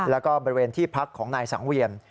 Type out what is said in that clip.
แล้วก็บริเวณที่พักของนายสังเวียน